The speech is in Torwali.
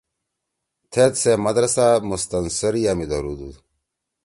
تھید سے مدرسہ مستنصریہ می دھرُودُود۔